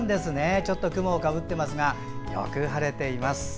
ちょっと雲をかぶっていますがよく晴れています。